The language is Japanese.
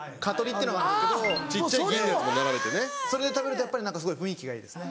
それで食べるとやっぱりすごい雰囲気がいいですね。